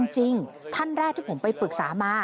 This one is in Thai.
จริงท่านแรกที่ผมไปปรึกษามา